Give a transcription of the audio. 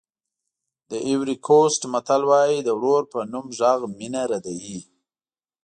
د ایوُري کوسټ متل وایي د ورور په نوم غږ مینه ردوي.